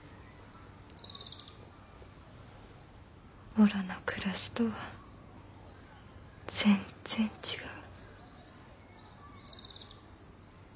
おらの暮らしとは全然違う。